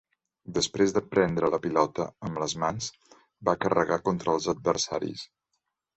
Després de prendre la pilota amb les mans, va carregar contra els adversaris.